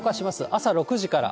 朝６時から。